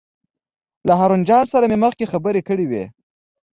له هارون جان سره مې مخکې خبرې کړې وې.